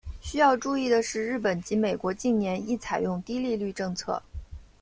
需要注意的是日本及美国近年亦采用低利率政策。